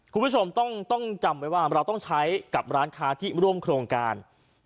คุณผู้ชมต้องจำไว้ว่าเราต้องใช้กับร้านค้าที่ร่วมโครงการ